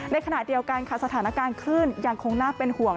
ในขณะเดียวกันค่ะสถานการณ์คลื่นยังคงน่าเป็นห่วง